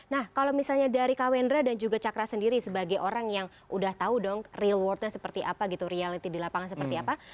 nah kalau misalnya dari kak wendra dan juga cakra sendiri sebagai orang yang udah tahu dong real worldnya seperti apa gitu reality di lapangan seperti apa